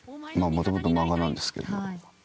もともと漫画なんですけど。